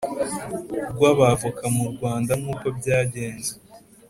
Rw’abavoka mu Rwanda nk’uko byagenze ku